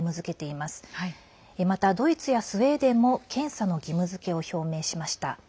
またドイツやスウェーデンも検査の義務づけを表明しました。